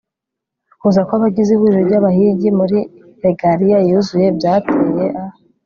kuza kw'abagize ihuriro ry'abahigi muri regaliya yuzuye byateye a